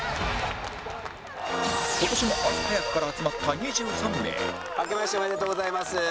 今年も朝早くから集まった２３名あけましておめでとうございます。